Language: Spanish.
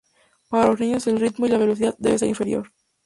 Para los niños el ritmo y la velocidad debe ser inferior.